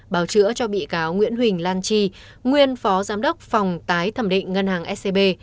bào chữa cho bị cáo nguyễn huỳnh lan chi nguyên phó giám đốc phòng tái thẩm định ngân hàng scb